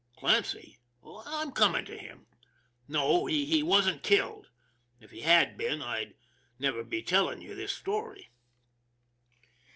Clancy? I'm coming to him. No, he wasn't killed if he had been I'd never be telling you this story.